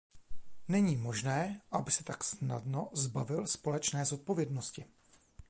Není možné, aby se tak snadno zbavil společné zodpovědnosti.